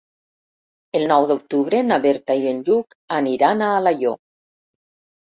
El nou d'octubre na Berta i en Lluc aniran a Alaior.